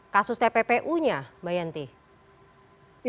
kasus tppu nya mbak yanti